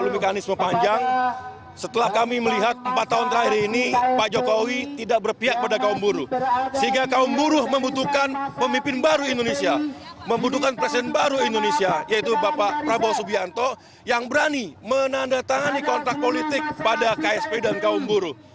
membutuhkan presiden baru indonesia yaitu prabowo subianto yang berani menandatangani kontrak politik pada kspi dan kaum buruh